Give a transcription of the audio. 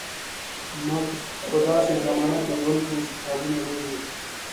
موږ په داسې زمانه کې ژوند کوو چې کتابونه ډېر دي.